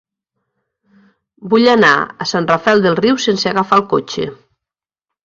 Vull anar a Sant Rafel del Riu sense agafar el cotxe.